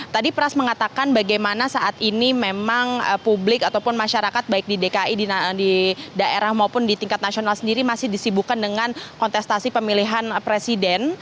tadi pras mengatakan bagaimana saat ini memang publik ataupun masyarakat baik di dki di daerah maupun di tingkat nasional sendiri masih disibukan dengan kontestasi pemilihan presiden